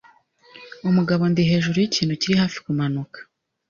Umugabo Ndi hejuru yikintu kirihafi kumanuka